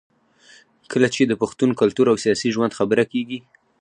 کله چې د پښتون کلتور او سياسي ژوند خبره کېږي